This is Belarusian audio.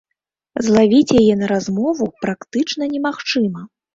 Злавіць яе на размову практычна немагчыма!